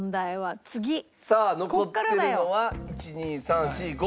さあ残ってるのは１２３４５。